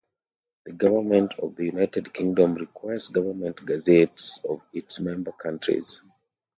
The government of the United Kingdom requires government gazettes of its member countries.